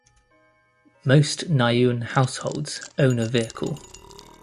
Most Niuean households own a vehicle.